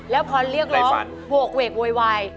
แล้วพอเรียกร้องโหกเวกโวยวาย